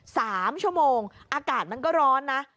สามชั่วโมงอากาศมันก็ร้อนนะ